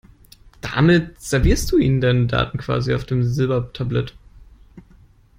Damit servierst du ihnen deine Daten quasi auf dem Silbertablett.